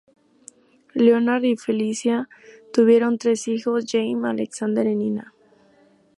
Leonard y Felicia tuvieron tres hijos: Jamie, Alexander y Nina.